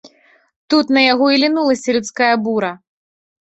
Тут на яго і лінулася людская бура.